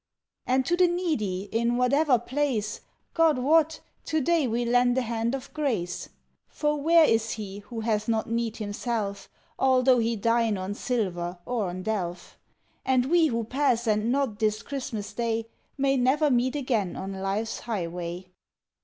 And to the needy, in whatever place, God wot! to day we'll lend a hand of grace; For where is he who hath not need himself, Although he dine on silver or on delf? And we who pass and nod this Christmas Day May never meet again on life's highway.